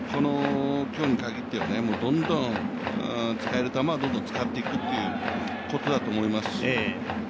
今日に限ってはどんどん使える球はどんどん使っていくということだと思いますし。